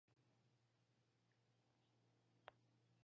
Cada obra premiada es motivo de presentación, debate y edición.